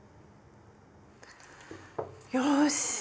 よし！